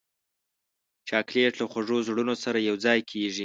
چاکلېټ له خوږو زړونو سره یوځای کېږي.